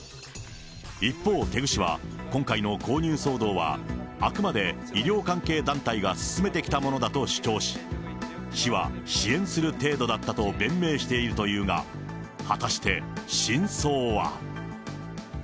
一方、テグ市は、今回の購入騒動は、あくまで医療関係団体が進めてきたものだと主張し、市は支援する程度だったと弁明しているというが、果たして真相は。